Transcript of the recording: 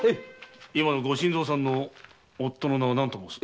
今の御新造さんの夫の名は何と申す？